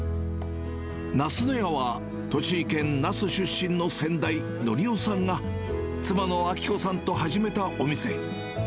なすの屋は、栃木県那須出身の先代、紀夫さんが、妻のアキ子さんと始めたお店。